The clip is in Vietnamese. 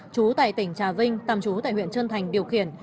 chú tại tỉnh trà vinh tàm chú tại huyện trân thành điều khiển